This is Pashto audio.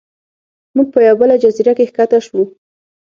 موږ په یوه بله جزیره کې ښکته شو.